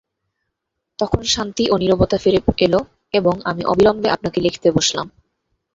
তখন শান্তি ও নীরবতা ফিরে এল এবং আমি অবিলম্বে আপনাকে লিখতে বসলাম।